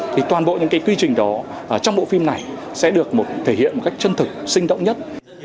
thì toàn bộ những cái quy trình đó trong bộ phim này sẽ được thể hiện một cách chân thực sinh động nhất